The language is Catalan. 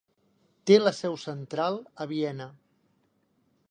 Té la seu central a Viena.